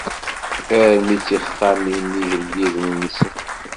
Armi d tixxamin n yigelliden-nsen.